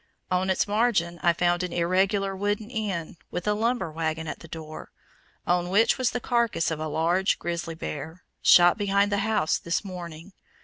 On its margin I found an irregular wooden inn, with a lumber wagon at the door, on which was the carcass of a large grizzly bear, shot behind the house this morning.